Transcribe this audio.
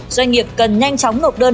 doanh nghiệp cần nhanh chóng ngộp đơn